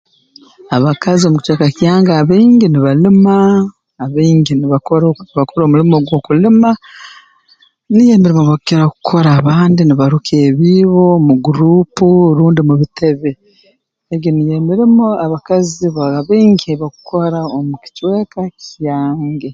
Abakazi omu kicweka kyange abaingi nibalima abaingi nibakora nibakora omulimo gw'okulima niyo emirimo bakukira kukora abandi nibaruka ebiibi mu group rundi mu bitebe egi niyo emirimo abakazi ba abaingi ei bakukora omu kicweka kyange